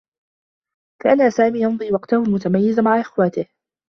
كان سامي يمضي وقته المتميّز مع إخوته.